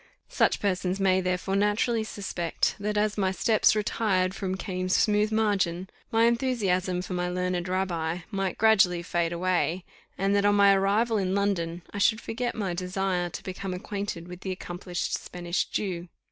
Such persons may, therefore, naturally suspect, that, as "my steps retired from Cam's smooth margin," my enthusiasm for my learned rabbi might gradually fade away; and that, on my arrival in London, I should forget my desire to become acquainted with the accomplished Spanish Jew.